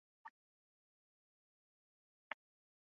霍雷肖是一个位于美国阿肯色州塞维尔县的城市。